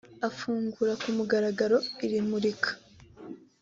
Afungura ku mugaragaro iri murika